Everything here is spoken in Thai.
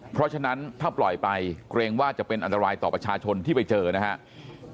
เพราะฉะนั้นถ้าปล่อยไปเกรงว่าจะเป็นอันตรายต่อประชาชนที่ไปเจอนะครับ